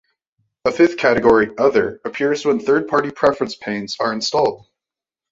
A fifth category, "Other", appears when third-party preference panes are installed.